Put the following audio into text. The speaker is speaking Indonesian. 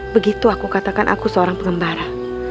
begitu aku katakan aku seorang pengembara